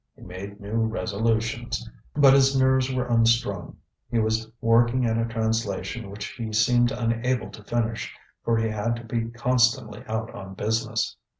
He made new resolutions. But his nerves were unstrung. He was working at a translation which he seemed unable to finish, for he had to be constantly out on business.